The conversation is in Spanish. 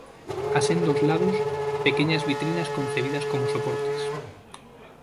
A sendos lados, pequeñas vitrinas concebidas como soportes.